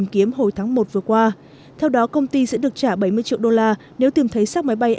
tìm kiếm hồi tháng một vừa qua theo đó công ty sẽ được trả bảy mươi triệu đô la nếu tìm thấy xác máy bay